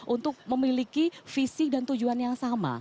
untuk memiliki visi dan tujuan yang sama